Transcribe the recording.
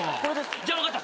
じゃあ分かった。